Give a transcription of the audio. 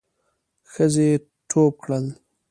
ښځې ټوپ کړل.